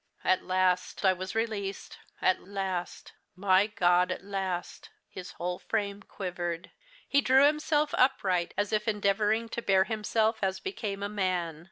"At last I was released. At last my God, at last!" His whole frame quivered. He drew himself upright, as if endeavouring to bear himself as became a man.